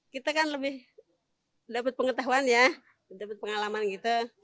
kita kan lebih dapat pengetahuan ya dapat pengalaman gitu